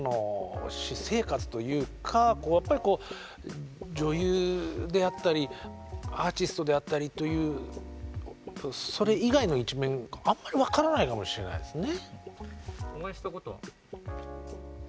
私生活というかやっぱり女優であったりアーティストであったりというそれ以外の一面あんまり分からないかもしれないですね。